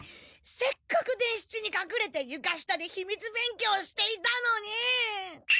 せっかく伝七にかくれてゆか下で秘密勉強していたのに。